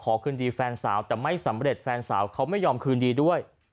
คืนดีแฟนสาวแต่ไม่สำเร็จแฟนสาวเขาไม่ยอมคืนดีด้วย